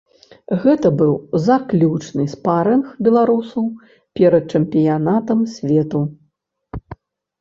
Гэта быў заключны спарынг беларусаў перад чэмпіянатам свету.